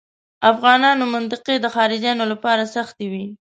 افغانانو منطقې د خارجیانو لپاره سختې وې.